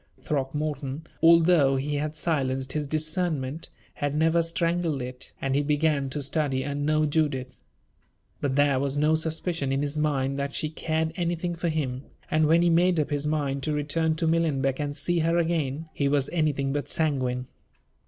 Throckmorton, although he had silenced his discernment, had never strangled it, and he began to study and know Judith. But there was no suspicion in his mind that she cared anything for him; and, when he made up his mind to return to Millenbeck and see her again, he was anything but sanguine.